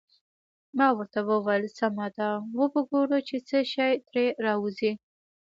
ما ورته وویل: سمه ده، وبه ګورو چې څه شي ترې راوزي.